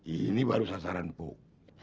ini baru sasaran empuk